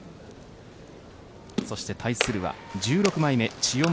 対するは１６枚目・千代丸。